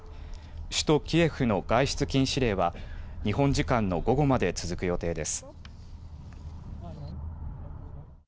首都キエフの外出禁止令は日本時間の午後まで続く予定です。